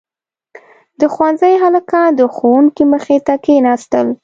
• د ښونځي هلکان د ښوونکي مخې ته کښېناستل.